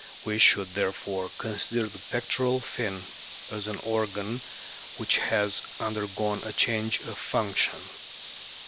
We should, therefore, consider the pectoral fin as an organ which has under gone a change of function.